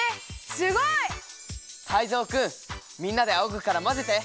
すごい！タイゾウくんみんなであおぐからまぜて！